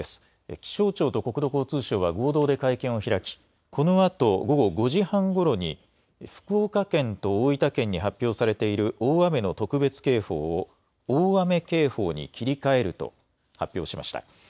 気象庁と国土交通省は合同で会見を開き、このあと、午後５時半ごろに、福岡県と大分県に発表されている大雨の特別警報を、大雨警報に切り替えると発表しました。